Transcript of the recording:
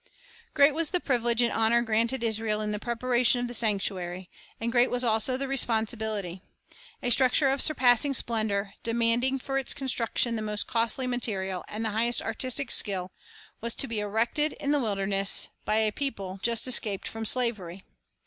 1 Great was the privilege and honor granted Israel in the preparation of the sanctuary; and great was also the responsibility. A structure of surpassing splendor, demanding for its construction the most costly material and the highest artistic skill, was to be erected in the wilderness, by a people just escaped from slavery.